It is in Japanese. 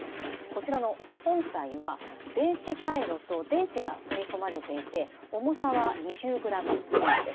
こちらの本体は電子回路と電池が組み込まれていて重さは２０ｇ前後です。